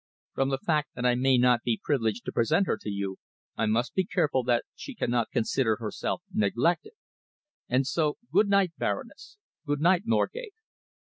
From the fact that I may not be privileged to present her to you, I must be careful that she cannot consider herself neglected. And so good night, Baroness! Good night, Norgate!"